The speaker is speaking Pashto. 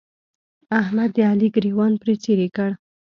احمد د علي ګرېوان پر څيرې کړ.